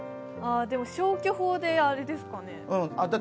でも消去法であれですかね。